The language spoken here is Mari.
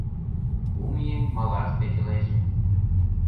Кум еҥ малаш тӧчылеш.